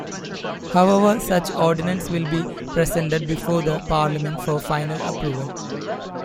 However, such ordinance will be presented before the parliament for final approval.